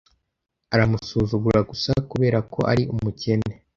Aramusuzugura gusa kubera ko ari umukene.